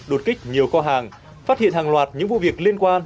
đột kích nhiều kho hàng phát hiện hàng loạt những vụ việc liên quan